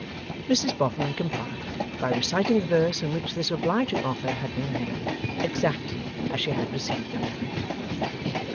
Mrs Boffin complied, by reciting the verses in which this obliging offer had been made, exactly as she had received them.